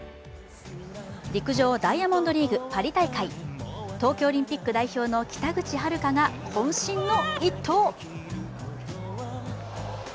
陸上ダイヤモンドリーグ・パリ大会東京オリンピック代表の北口榛花がこん身の一投。